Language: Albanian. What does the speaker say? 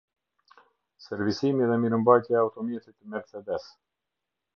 Servisimi dhe mirëmbajtja e automjetit mercedes